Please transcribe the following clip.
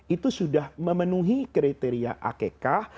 itu sudah memenuhi kriteria akekah